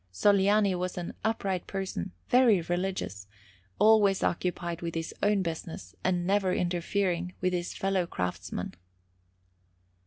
Sogliani was an upright person, very religious, always occupied with his own business, and never interfering with his fellow craftsmen.